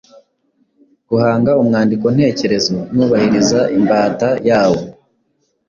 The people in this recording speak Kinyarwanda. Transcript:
Guhanga umwandiko ntekerezo nubahiriza imbata yawo.